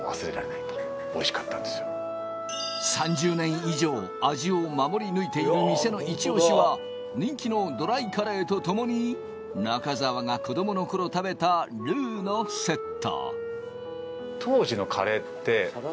３０年以上、味を守り抜いている店のイチ押しは、人気のドライカレーとともに中澤が子供の頃食べたルウのセット。